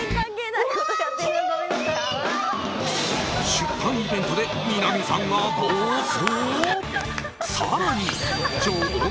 出版イベントで南さんが暴走？